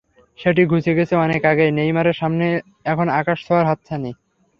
সেটি ঘুচে গেছে অনেক আগেই, নেইমারের সামনে এখন আকাশ ছোঁয়ার হাতছানি।